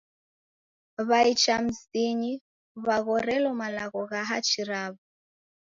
W'ai cha mizinyi w'aghorelo malagho gha hachi raw'o.